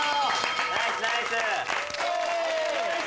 ナイスナイス！